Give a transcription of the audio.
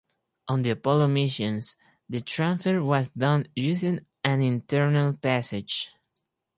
On the Apollo missions, the transfer was done using an internal passage.